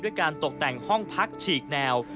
การตกแต่งห้องพักฉีกแนว